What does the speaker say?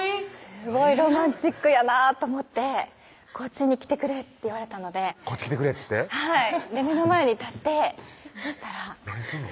すごいロマンチックやなと思って「こっちに来てくれ」って言われたので「こっち来てくれ」っつって？はい目の前に立ってそしたら何すんの？